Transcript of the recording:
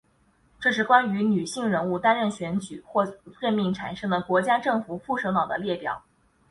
这是关于女性人物担任选举或者任命产生的国家政府副首脑的列表。